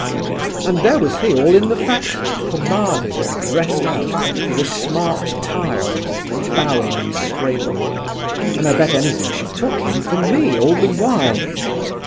And there was he all in the fashion, pomaded and dressed out, with a smart tie on, bowing and scraping; and I bet anything she took him for me all the while!